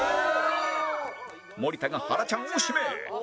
森田がはらちゃんを指名